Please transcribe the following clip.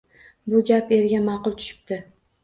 Bu gap eriga ma'qul tushibdi